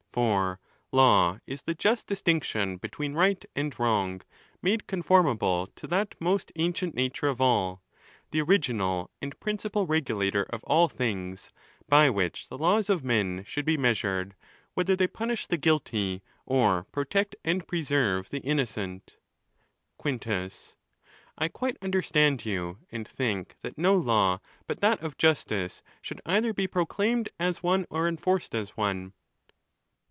For law is the just distinction between right and wrong, made conformable to that most, ancient nature of all, the original and principal regulator of all things, by which the laws of men should be measured, whether they acer the guilty or protect and preserve the innocent. VI. Quintus.—I quite colonial you, and think that no law but that of justice should either be proclaimed as one or enforced as one.